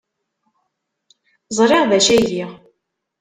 Ẓriɣ d acu ay giɣ.